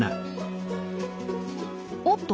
おっと！